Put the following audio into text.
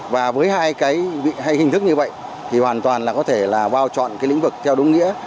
và với hai cái hình thức như vậy thì hoàn toàn là có thể là bao chọn cái lĩnh vực theo đúng nghĩa